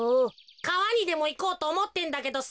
かわにでもいこうとおもってんだけどさ。